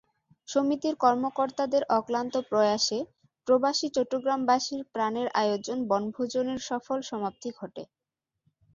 সমিতির কর্মকর্তাদের অক্লান্ত প্রয়াসে প্রবাসী চট্টগ্রামবাসীর প্রাণের আয়োজন বনভোজনের সফল সমাপ্তি ঘটে।